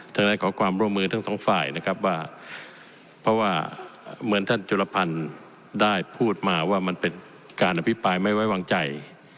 ฉะนั้นขอความร่วมมือทั้งสองฝ่ายนะครับว่าเพราะว่าเหมือนท่านจุลพันธ์ได้พูดมาว่ามันเป็นการอภิปรายไม่ไว้วางใจ